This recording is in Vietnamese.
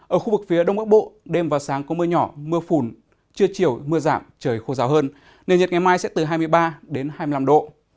ở khu vực phía đông bắc bộ đêm và sáng có mưa nhỏ mưa phùn trưa chiều mưa giảm trời khô ráo hơn nền nhiệt ngày mai sẽ từ hai mươi ba đến hai mươi năm độ